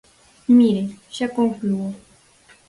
Mire, xa conclúo.